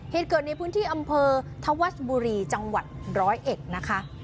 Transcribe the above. เหตุเกิดในพื้นที่อำเภอธวัชบุรีจังหวัดร้อยเอ็ดนะคะ